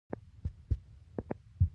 استاد د شعور لوړتیا ته لاره هواروي.